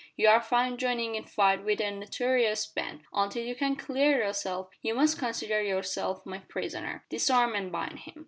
You are found joining in fight with a notorious band. Until you can clear yourself you must consider yourself my prisoner. Disarm and bind him."